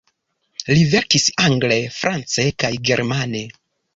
Li verkis angle, france kaj germane.